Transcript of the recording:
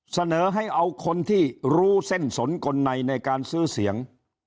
เสนอให้เอาคนที่รู้เส้นสนกลในในการซื้อเสียง